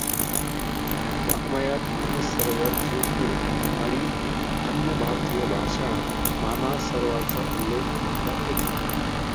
वाङ्मयात मानस सरोवर संस्कृत आणि अन्य भारतीय भाषांत मानस सरोवराचा उल्लेख अनेकदा येतो.